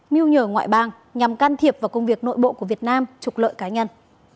mưu nhờ ngoại bang nhằm can thiệp vào công việc nội bộ của việt nam trục lợi cá nhân